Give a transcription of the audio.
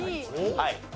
はい。